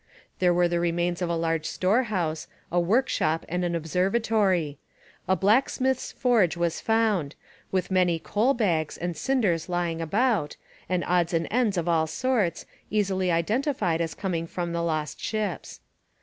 There were the remains of a large storehouse, a workshop and an observatory; a blacksmith's forge was found, with many coal bags and cinders lying about, and odds and ends of all sorts, easily identified as coming from the lost ships.